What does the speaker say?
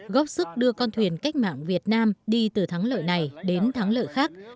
góp sức đưa con thuyền cách mạng việt nam đi từ thắng lợi này đến thắng lợi khác